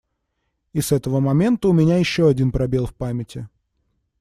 И с этого момента у меня еще один пробел в памяти.